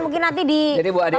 mungkin nanti di jadi bu adi adi ya